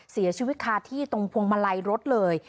เสียชีวิตคาที่ตรงพวงมาลัยรถเลย